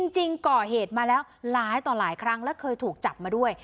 จริงก่อเหตุมาแล้วหลายต่อหลายครั้งและเคยถูกจับมาด้วย